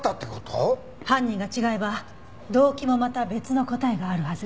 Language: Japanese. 犯人が違えば動機もまた別の答えがあるはず。